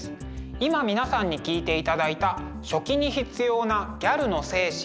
今皆さんに聴いていただいた「書記に必要なギャルの精神」。